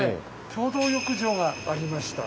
共同浴場がありました。